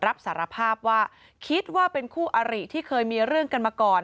รับสารภาพว่าคิดว่าเป็นคู่อริที่เคยมีเรื่องกันมาก่อน